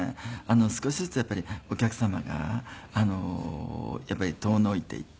少しずつやっぱりお客様が遠のいていって。